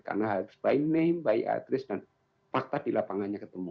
karena harus by name by address dan fakta di lapangannya ketemu